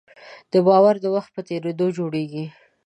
باور د وخت په تېرېدو جوړېږي.